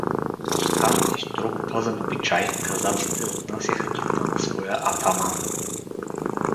По стар и строго пазен обичай, казаците отнасяха трупа на своя атаман.